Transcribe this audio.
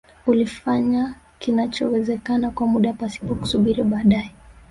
Ulifanya kinachowezeka kwa muda pasipo kusubiri baadae